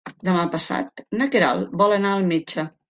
Demà passat na Queralt vol anar al metge.